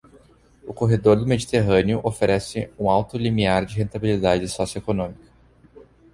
O corredor do Mediterrâneo oferece um alto limiar de rentabilidade socioeconômica.